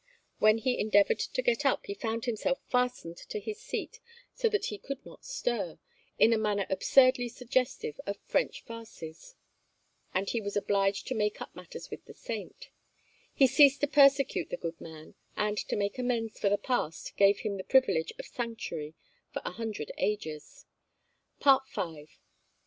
When he endeavoured to get up he found himself fastened to his seat so that he could not stir, in a manner absurdly suggestive of French farces; and he was obliged to make up matters with the saint. He ceased to persecute the good man, and to make amends for the past gave him the privilege of sanctuary for a hundred ages. FOOTNOTE: 'Celtic Remains,' 420. (Printed for the Cambrian Arch. Soc.